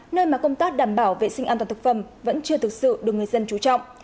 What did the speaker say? nơi mà công tác đảm bảo vệ sinh an toàn thực phẩm vẫn chưa thực sự được người dân trú trọng